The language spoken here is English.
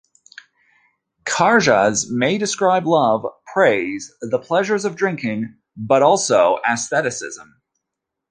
"Kharjas" may describe love, praise, the pleasures of drinking, but also ascetism.